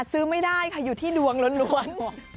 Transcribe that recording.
ซื้อไม่ได้ค่ะอยู่ที่ดวงล้วน